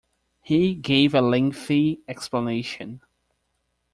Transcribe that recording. He gave a lengthy explanation.